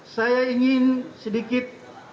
saya ingin sedikit